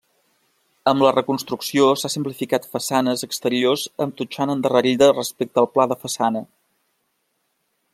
Amb la reconstrucció s'ha simplificat façanes exteriors amb totxana endarrerida respecte al pla de façana.